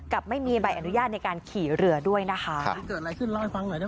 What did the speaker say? กับไม่มีใบอนุญาตในการขี่เรือด้วยนะคะ